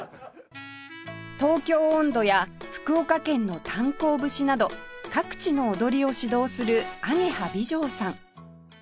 『東京音頭』や福岡県の『炭坑節』など各地の踊りを指導する鳳蝶美成さん